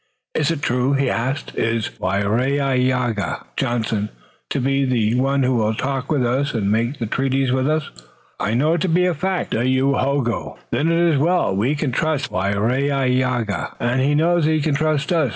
"Is it true?" he asked. "Is Waraiyageh (Johnson) to be the one who will talk with us and make the treaties with us?" "I know it to be a fact, Dayohogo." "Then it is well. We can trust Waraiyageh, and he knows that he can trust us.